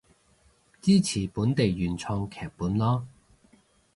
支持本地原創劇本囉